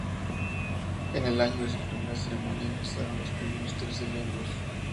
En el año de su primera ceremonia, ingresaron los primeros trece miembros.